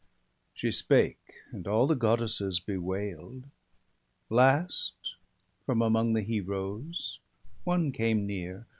She spake; and all the Goddesses bewail'd. Last, from among the Heroes one came near.